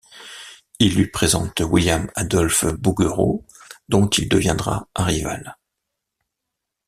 Il lui présente William-Adolphe Bouguereau dont il deviendra un rival.